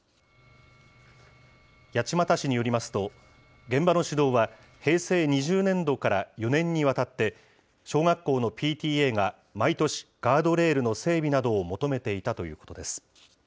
八街市によりますと、現場の市道は、平成２０年度から４年にわたって、小学校のＰＴＡが毎年、ガードレールの整備などを求めていたということです。